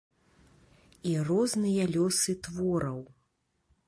І розныя лёсы твораў.